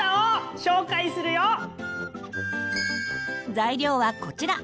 材料はこちら。